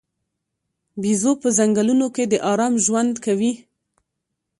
بیزو په ځنګلونو کې د آرام ژوند کوي.